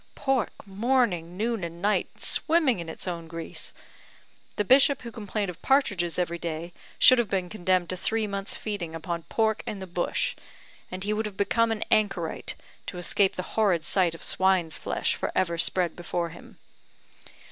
Pork, morning, noon, and night, swimming in its own grease! The bishop who complained of partridges every day should have been condemned to three months' feeding upon pork in the bush; and he would have become an anchorite, to escape the horrid sight of swine's flesh for ever spread before him.